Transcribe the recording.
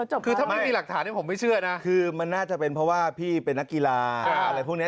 คือถ้าไม่มีหลักฐานผมไม่เชื่อนะคือมันน่าจะเป็นเพราะว่าพี่เป็นนักกีฬาอะไรพวกนี้